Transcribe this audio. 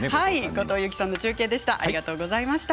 後藤佑季さんの中継でした。